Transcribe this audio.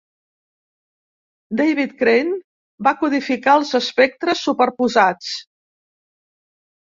David Crane va codificar els espectres superposats.